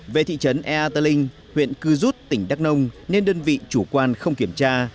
về thị trấn ea tờ linh huyện cư rút tỉnh đắk nông nên đơn vị chủ quan không kiểm tra